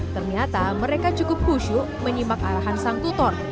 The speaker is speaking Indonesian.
ternyata mereka cukup khusyuk menyimak arahan sang tutor